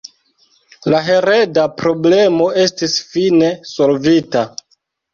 La hereda problemo estis fine solvita.